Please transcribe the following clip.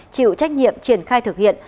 chịu trách nhiệm triển khai thực hiện